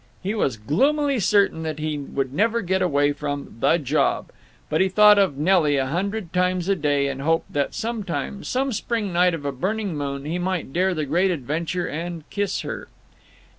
He was gloomily certain that he would never get away from The Job. But he thought of Nelly a hundred times a day and hoped that sometime, some spring night of a burning moon, he might dare the great adventure and kiss her.